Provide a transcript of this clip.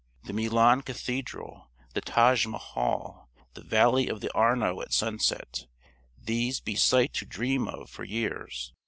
The Milan Cathedral, the Taj Mahal, the Valley of the Arno at sunset these be sights to dream of for years.